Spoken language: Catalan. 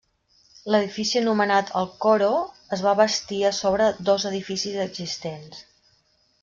L'edifici anomenat el Coro es va bastir a sobre dos edificis existents.